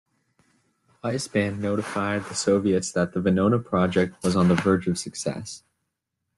Weisband notified the Soviets that the Venona Project was on the verge of success.